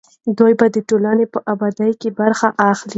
دوی به د ټولنې په ابادۍ کې برخه اخلي.